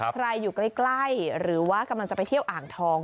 ใครอยู่ใกล้หรือว่ากำลังจะไปเที่ยวอ่างทอง